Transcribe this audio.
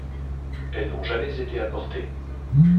Elles n'ont jamais été apportées.